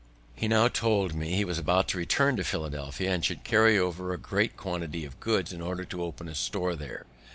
He now told me he was about to return to Philadelphia, and should carry over a great quantity of goods in order to open a store there.